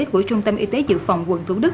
của trung tâm y tế dự phòng quận thủ đức